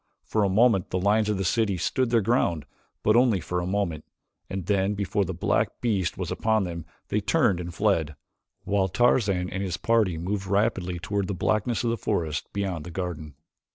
For a moment the lions of the city stood their ground, but only for a moment, and then before the black beast was upon them, they turned and fled, while Tarzan and his party moved rapidly toward the blackness of the forest beyond the garden.